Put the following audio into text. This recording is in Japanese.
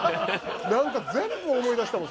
なんか全部思い出したもん